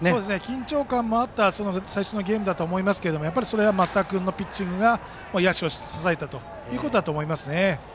緊張感もあった最初のゲームだと思いますがそれは升田君のピッチングが野手を支えたところだと思います。